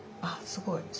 あっすごい。